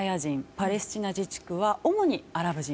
パレスチナ自治区は主にアラブ人。